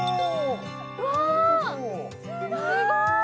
うわすごい！